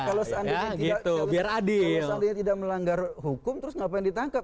kalau seandainya tidak melanggar hukum terus ngapain ditangkap